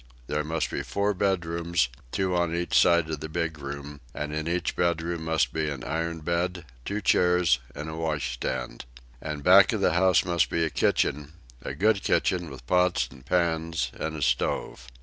There must be four bedrooms, two on each side of the big room, and in each bedroom must be an iron bed, two chairs, and a washstand. And back of the house must be a kitchen, a good kitchen, with pots and pans and a stove.